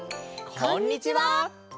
こんにちは。